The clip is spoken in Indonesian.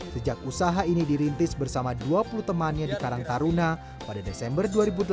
sejak usaha ini dirintis bersama dua puluh temannya di karang taruna pada desember dua ribu delapan belas